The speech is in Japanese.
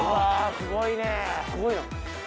すごいな。